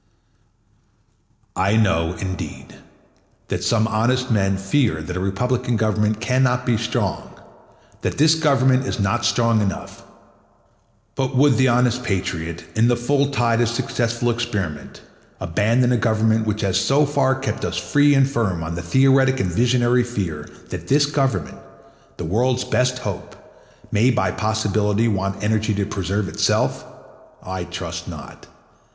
I know, indeed, that some honest men fear that a republican government can not be strong, that this Government is not strong enough; but would the honest patriot, in the full tide of successful experiment, abandon a government which has so far kept us free and firm on the theoretic and visionary fear that this Government, the world's best hope, may by possibility want energy to preserve itself? I trust not.